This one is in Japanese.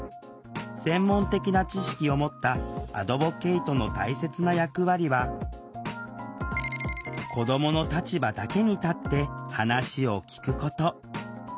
専門的な知識を持ったアドボケイトの大切な役割は子どもの立場だけに立って話を聴くこと。